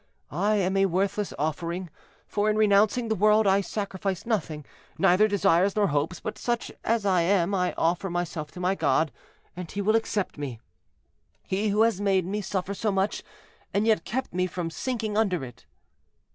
I am a worthless offering, for in renouncing the world I sacrifice nothing, neither desires nor hopes; but such as I am I offer myself to my God, and he will accept me—he who has made me suffer so much, and yet kept me from sinking under it."